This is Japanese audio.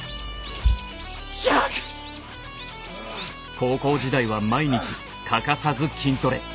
高校時代は毎日欠かさず筋トレ。